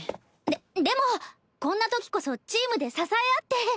ででもこんなときこそチームで支え合って。